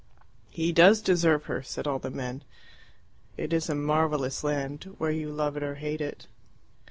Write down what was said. "He does deserve her," said all the men. It is a marvellous land, where you love it or hate it.